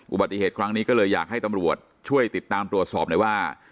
อุบัติเหตุครั้งนี้ก็เลยอยากให้ตำรวจช่วยติดตามตรวจสอบหน่อยว่า